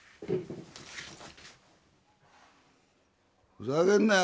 ふざけんなよ